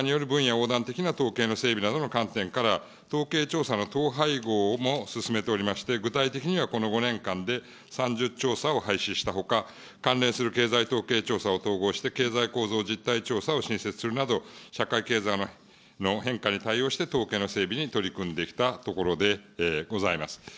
横断的な統計の整備などの観点から、統計調査の統廃合も進めておりまして、具体的にはこの５年間で３０調査を廃止したほか、関連する経済統計調査を統合して経済構造実態調査を新設するなど、社会経済の変化に対応して統計の整備に取り組んできたところでございます。